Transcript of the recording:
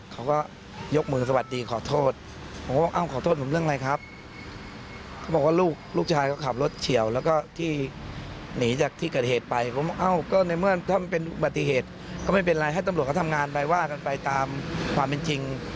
เขาก็ยกมือสวัสดีขอโทษผมก็บอกเอ้าขอโทษผมเรื่องอะไรครับเขาบอกว่าลูกลูกชายก็ขับรถเฉียวแล้วก็ที่หนีจากที่เกิดเหตุไปผมเอ้าก็ในเมื่อถ้ามันเป็นอุบัติเหตุก็ไม่เป็นไรให้ตำรวจเขาทำงานไปว่ากันไปตามความเป็นจริง